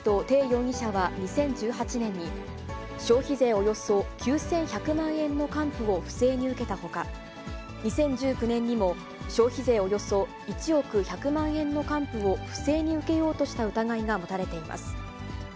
特捜部によりますと、鄭容疑者は２０１８年に、消費税およそ９１００万円の還付を不正に受けたほか、２０１９年にも、消費税およそ１億１００万円の還付を不正に受けようとした疑いが持たれています。